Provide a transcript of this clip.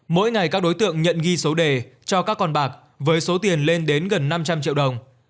mỗi ngày các đối tượng nhận ghi số đề cho các con bạc với số tiền lên đến gần năm trăm linh triệu đồng